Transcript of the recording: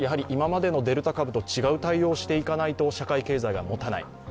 今までのデルタ株と違う対応をしていかないと社会経済がもたない。